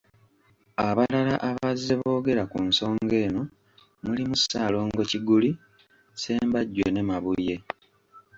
Abalala abazze boogera ku nsonga eno mulimu Ssalongo Kiguli, Ssembajjwe ne Mabuye.